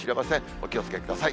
お気をつけください。